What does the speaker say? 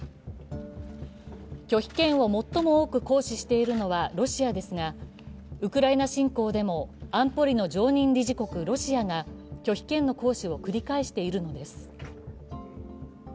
拒否権を最も多く行使しているのはロシアですがウクライナ侵攻でも安保理の常任理事国・ロシアが拒否権の行使を繰り返しているのです。